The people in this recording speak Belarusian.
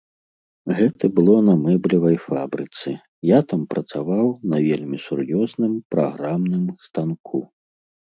Гэта было на мэблевай фабрыцы, я там працаваў на вельмі сур'ёзным праграмным станку.